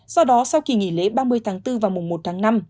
do đó sau kỳ nghỉ lễ ba mươi tháng bốn và mùa một tháng năm